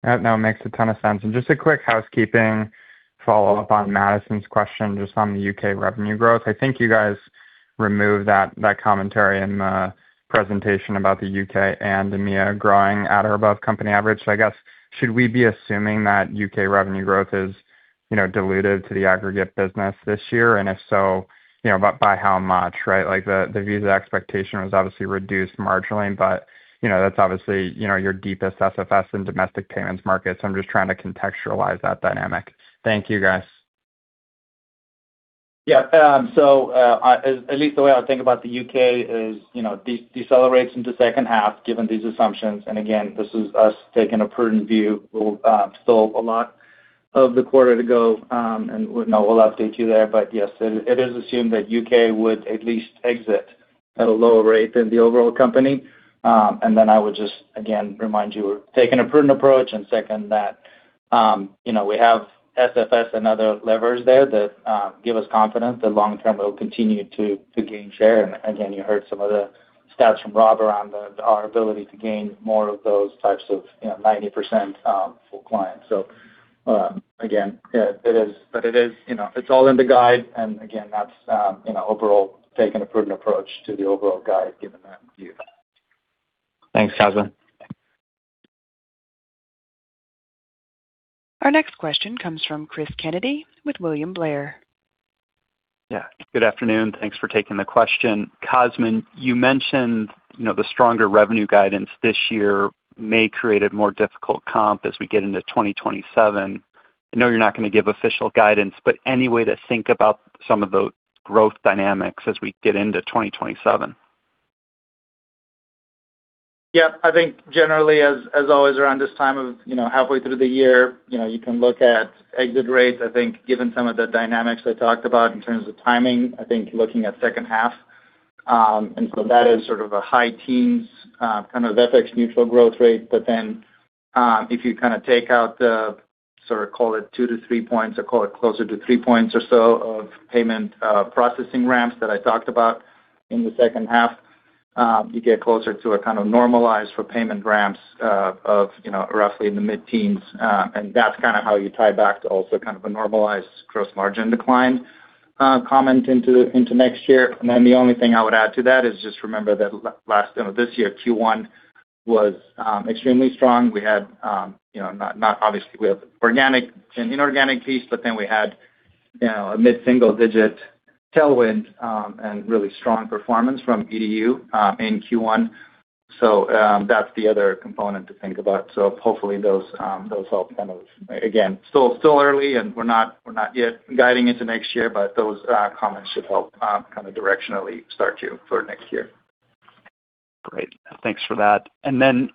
That now makes a ton of sense. Just a quick housekeeping follow-up on Madison's question, just on the U.K. revenue growth. I think you guys removed that commentary and presentation about the U.K. and EMEA growing at or above company average. I guess, should we be assuming that U.K. revenue growth is diluted to the aggregate business this year? If so, by how much, right? The Visa expectation was obviously reduced marginally, but that's obviously your deepest SFS in domestic payments market. I'm just trying to contextualize that dynamic. Thank you, guys. At least the way I would think about the U.K. is, decelerates into second half given these assumptions. Again, this is us taking a prudent view. Still a lot of the quarter to go, and we'll update you there. Yes, it is assumed that U.K. would at least exit at a lower rate than the overall company. Then I would just, again, remind you, we're taking a prudent approach. Second, that we have SFS and other levers there that give us confidence that long-term it will continue to gain share. Again, you heard some of the stats from Rob around our ability to gain more of those types of 90% full clients. Again, it's all in the guide, and again, that's overall taking a prudent approach to the overall guide given that view. Thanks, Cosmin. Our next question comes from Cris Kennedy with William Blair. Good afternoon. Thanks for taking the question. Cosmin, you mentioned the stronger revenue guidance this year may create a more difficult comp as we get into 2027. I know you're not going to give official guidance, any way to think about some of the growth dynamics as we get into 2027? Yeah. I think generally as always around this time of halfway through the year, you can look at exit rates. I think given some of the dynamics I talked about in terms of timing, I think looking at second half. That is sort of a high teens kind of FX neutral growth rate. If you take out the sort of call it two to three points or call it closer to three points or so of payment processing ramps that I talked about in the second half, you get closer to a kind of normalized for payment ramps of roughly in the mid-teens. That's how you tie back to also kind of a normalized gross margin decline comment into next year. The only thing I would add to that is just remember that this year, Q1 was extremely strong. Obviously, we have organic and inorganic piece, we had a mid-single digit tailwind, and really strong performance from EDU in Q1. That's the other component to think about. Hopefully those help. Again, still early, and we're not yet guiding into next year, but those comments should help kind of directionally start you for next year. Great. Thanks for that. Can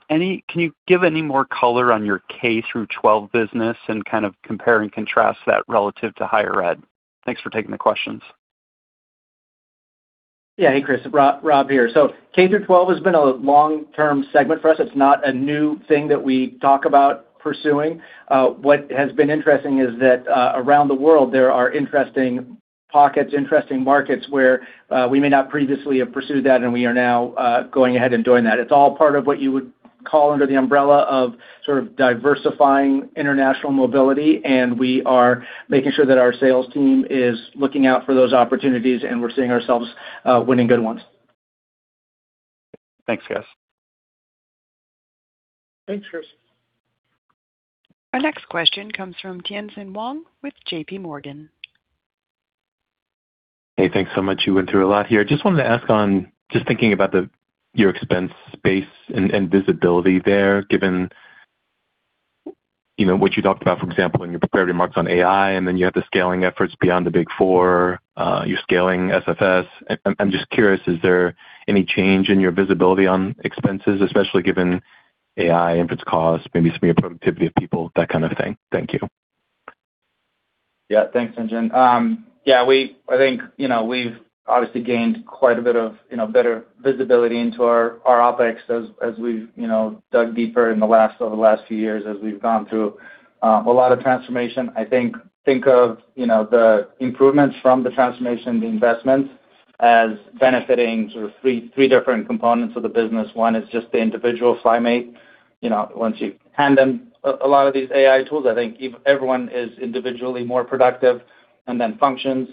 you give any more color on your K-through-12 business and kind of compare and contrast that relative to higher ed? Thanks for taking the questions. Yeah. Hey, Cris, Rob here. K-through-12 has been a long-term segment for us. It's not a new thing that we talk about pursuing. What has been interesting is that around the world there are interesting pockets, interesting markets where we may not previously have pursued that, and we are now going ahead and doing that. It's all part of what you would call under the umbrella of sort of diversifying international mobility, and we are making sure that our sales team is looking out for those opportunities, and we're seeing ourselves winning good ones. Thanks, guys. Thanks, Cris. Our next question comes from Tien-Tsin Huang with JPMorgan. Hey, thanks so much. You went through a lot here. Just wanted to ask on just thinking about your expense base and visibility there, given what you talked about, for example, in your prepared remarks on AI, then you have the scaling efforts beyond the big four, you scaling SFS. I am just curious, is there any change in your visibility on expenses, especially given AI inputs cost, maybe some productivity of people, that kind of thing? Thank you. Thanks, Tien-Tsin. I think we've obviously gained quite a bit of better visibility into our OpEx as we've dug deeper over the last few years as we've gone through a lot of transformation. I think of the improvements from the transformation, the investments as benefiting sort of three different components of the business. One is just the individual FlyMate. Once you hand them a lot of these AI tools, I think everyone is individually more productive, and then functions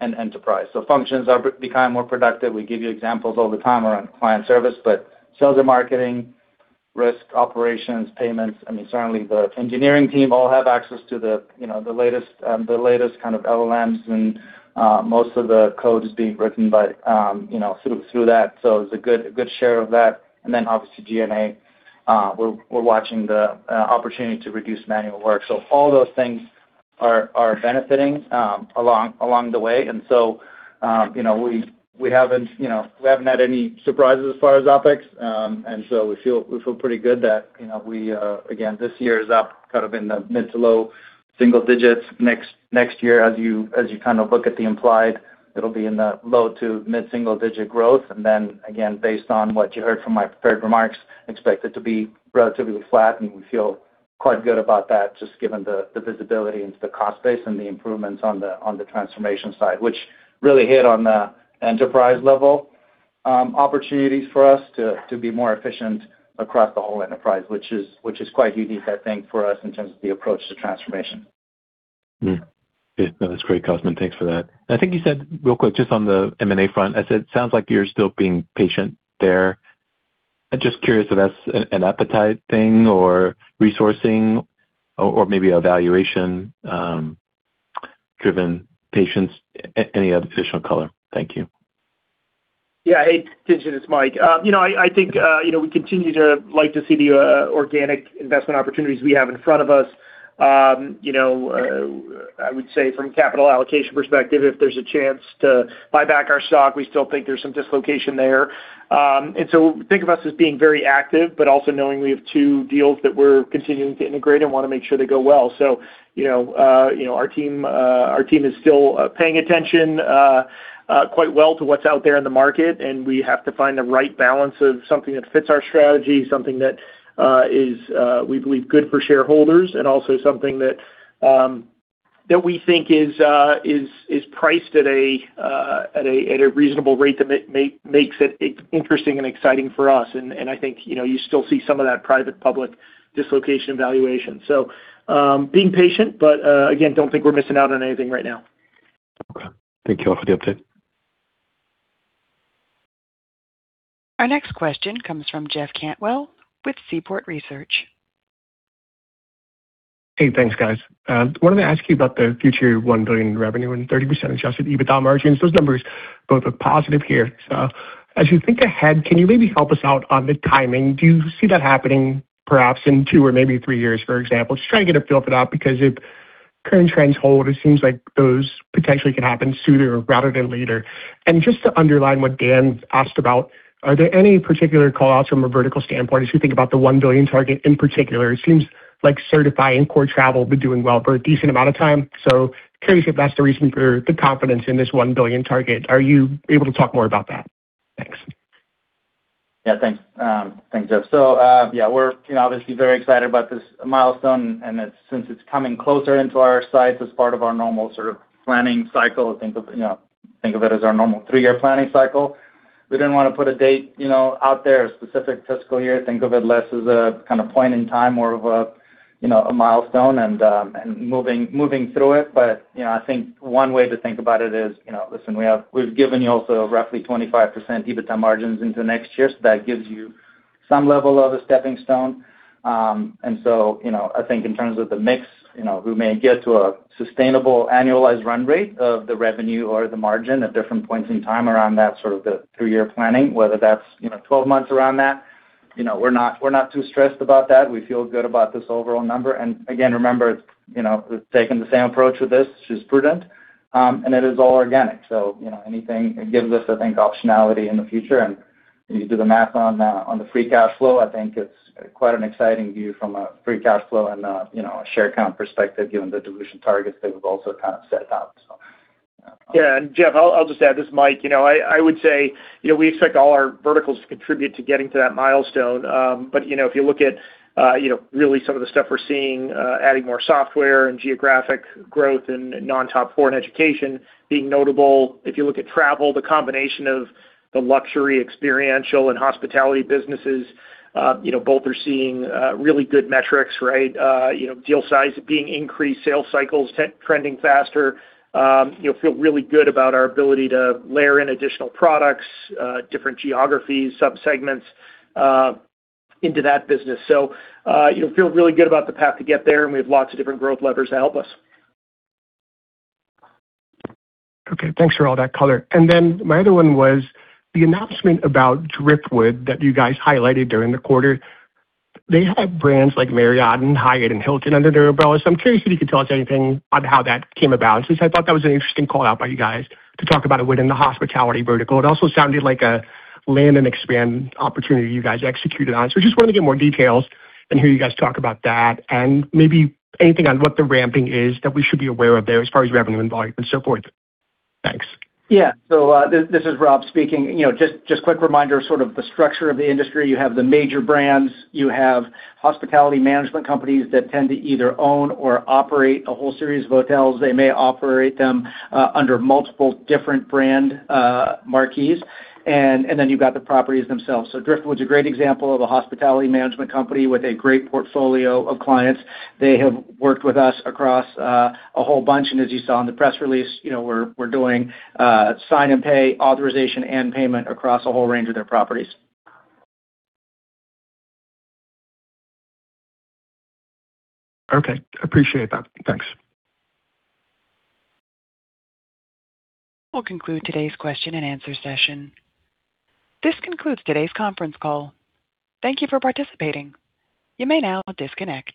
and enterprise. Functions are becoming more productive. We give you examples all the time around client service, but sales and marketing, risk operations, payments, I mean, certainly the engineering team all have access to the latest kind of LLMs when most of the code is being written through that. It's a good share of that. And then obviously G&A, we're watching the opportunity to reduce manual work. All those things are benefiting along the way. We haven't had any surprises as far as OpEx. We feel pretty good that again, this year is up kind of in the mid-to-low single digits. Next year as you kind of look at the implied, it'll be in the low-to-mid single-digit growth. Again, based on what you heard from my prepared remarks, expect it to be relatively flat and we feel Quite good about that, just given the visibility into the cost base and the improvements on the transformation side, which really hit on the enterprise level opportunities for us to be more efficient across the whole enterprise, which is quite unique, I think, for us in terms of the approach to transformation. That's great, Cosmin. Thanks for that. I think you said, real quick, just on the M&A front, it sounds like you're still being patient there. I'm just curious if that's an appetite thing or resourcing or maybe a valuation-driven patience. Any additional color? Thank you. Hey, Tien-Tsin, it's Mike. I think we continue to like to see the organic investment opportunities we have in front of us. I would say from a capital allocation perspective, if there's a chance to buy back our stock, we still think there's some dislocation there. Think of us as being very active, but also knowing we have two deals that we're continuing to integrate and want to make sure they go well. Our team is still paying attention quite well to what's out there in the market, and we have to find the right balance of something that fits our strategy, something that is, we believe, good for shareholders, and also something that we think is priced at a reasonable rate that makes it interesting and exciting for us. I think you still see some of that private-public dislocation valuation. Being patient, but again, don't think we're missing out on anything right now. Thank you all for the update. Our next question comes from Jeff Cantwell with Seaport Research. Hey, thanks, guys. Wanted to ask you about the future $1 billion revenue and 30% adjusted EBITDA margins. Those numbers both look positive here. As you think ahead, can you maybe help us out on the timing? Do you see that happening perhaps in two or maybe three years, for example? Just trying to get a feel for that, because if current trends hold, it seems like those potentially could happen sooner rather than later. Just to underline what Dan asked about, are there any particular call-outs from a vertical standpoint as you think about the $1 billion target in particular? It seems like Sertifi and core travel have been doing well for a decent amount of time, so curious if that's the reason for the confidence in this $1 billion target. Are you able to talk more about that? Thanks. Yeah. Thanks. Thanks, Jeff. Yeah, we're obviously very excited about this milestone, and since it's coming closer into our sights as part of our normal sort of planning cycle, think of it as our normal three-year planning cycle. We didn't want to put a date out there, a specific fiscal year. Think of it less as a kind of point in time, more of a milestone, and moving through it. I think one way to think about it is, listen, we've given you also roughly 25% EBITDA margins into next year, so that gives you some level of a stepping stone. I think in terms of the mix, we may get to a sustainable annualized run rate of the revenue or the margin at different points in time around that sort of the three-year planning, whether that's 12 months around that. We're not too stressed about that. We feel good about this overall number. Again, remember, we've taken the same approach with this, which is prudent. It is all organic, so it gives us, I think, optionality in the future. When you do the math on the free cash flow, I think it's quite an exciting view from a free cash flow and a share count perspective, given the dilution targets that we've also kind of set out so. Yeah. Jeff, I'll just add. This is Mike. I would say, we expect all our verticals to contribute to getting to that milestone. If you look at really some of the stuff we're seeing, adding more software and geographic growth and non-top four in education being notable. If you look at travel, the combination of the luxury, experiential, and hospitality businesses, both are seeing really good metrics, right? Deal size being increased, sales cycles trending faster. Feel really good about our ability to layer in additional products, different geographies, subsegments into that business. Feel really good about the path to get there, and we have lots of different growth levers to help us. Okay. Thanks for all that color. My other one was the announcement about Driftwood that you guys highlighted during the quarter. They have brands like Marriott and Hyatt and Hilton under their umbrella. I'm curious if you could tell us anything on how that came about, since I thought that was an interesting call-out by you guys to talk about it within the hospitality vertical. It also sounded like a land and expand opportunity you guys executed on. Just wanted to get more details and hear you guys talk about that, and maybe anything on what the ramping is that we should be aware of there as far as revenue and volume and so forth. Thanks. Yeah. This is Rob speaking. Just quick reminder of sort of the structure of the industry. You have the major brands, you have hospitality management companies that tend to either own or operate a whole series of hotels. They may operate them under multiple different brand marquees. You've got the properties themselves. Driftwood Hospitality Management's a great example of a hospitality management company with a great portfolio of clients. They have worked with us across a whole bunch, and as you saw in the press release, we're doing sign and pay, authorization and payment across a whole range of their properties. Okay. Appreciate that. Thanks. We'll conclude today's question and answer session. This concludes today's conference call. Thank you for participating. You may now disconnect.